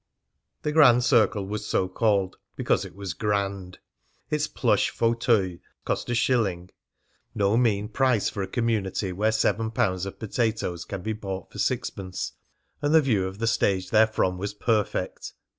The Grand Circle was so called because it was grand. Its plush fauteuils cost a shilling, no mean price for a community where seven pounds of potatoes can be bought for sixpence, and the view of the stage therefrom was perfect.